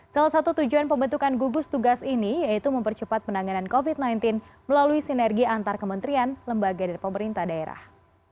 salah satu tujuan pembentukan gugus tugas ini yaitu mempercepat penanganan covid sembilan belas melalui sinergi antar kementerian lembaga dan pemerintah daerah